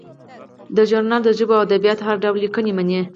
دا ژورنال د ژبو او ادبیاتو هر ډول لیکنې مني.